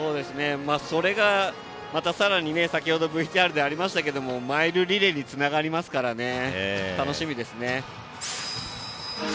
それがまたさらに先程ＶＴＲでありましたけどもマイルリレーにつながりますから楽しみですね。